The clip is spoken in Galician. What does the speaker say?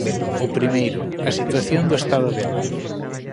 O primeiro, a situación do estado de alarma.